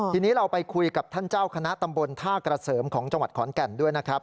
ทีนี้เราไปคุยกับท่านเจ้าคณะตำบลท่ากระเสริมของจังหวัดขอนแก่นด้วยนะครับ